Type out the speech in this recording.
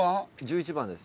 １１番です。